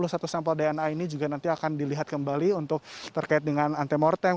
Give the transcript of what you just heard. satu sampel dna ini juga nanti akan dilihat kembali untuk terkait dengan antemortem